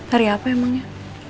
hari apa emangnya